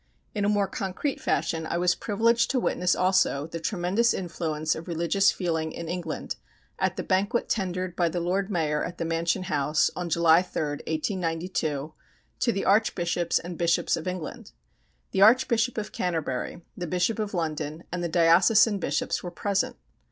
In a more concrete fashion I was privileged to witness also the tremendous influence of religious feeling in England at the banquet tendered by the Lord Mayor at the Mansion House on July 3, 1892, to the Archbishops and Bishops of England. The Archbishop of Canterbury, the Bishop of London, and the diocesan bishops were present.